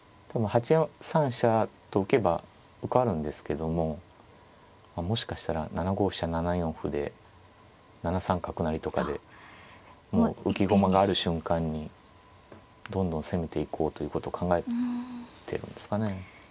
８三飛車と浮けば受かるんですけどももしかしたら７五飛車７四歩で７三角成とかでもう浮き駒がある瞬間にどんどん攻めていこうということを考えてるんですかね。